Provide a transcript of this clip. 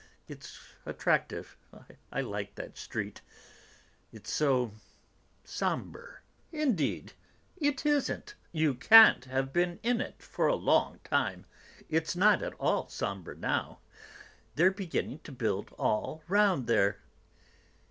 It's attractive; I like that street; it's so sombre." "Indeed it isn't. You can't have been in it for a long time; it's not at all sombre now; they're beginning to build all round there."